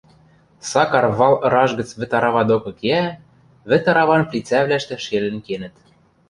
Сакар вал ыраж гӹц вӹд арава докы кеӓ: вӹд араван плицӓвлӓштӹ шелӹн кенӹт.